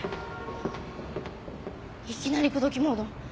いきなり口説きモード。